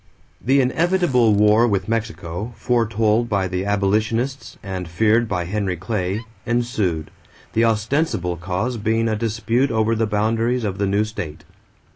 = The inevitable war with Mexico, foretold by the abolitionists and feared by Henry Clay, ensued, the ostensible cause being a dispute over the boundaries of the new state.